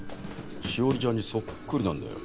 史織ちゃんにそっくりなんだよ。